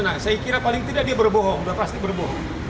nah saya kira paling tidak dia berbohong sudah pasti berbohong